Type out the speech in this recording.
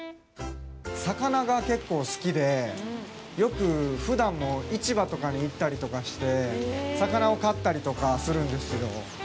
魚が結構好きで、よくふだんも市場とかに行ったりとかして魚を買ったりとかするんですよ。